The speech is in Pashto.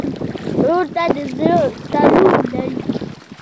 ورور ته د زړه تړون لرې.